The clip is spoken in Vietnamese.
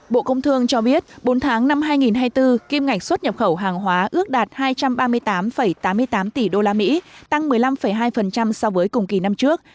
bộ công thương cho biết bốn tháng năm hai nghìn hai mươi bốn kim ngạch xuất nhập khẩu hàng hóa ước đạt hai trăm ba mươi tám tám mươi tám tỷ usd tăng một mươi năm hai so với cùng kỳ năm trước